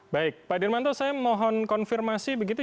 baik pak dirmanto saya mohon konfirmasi begitu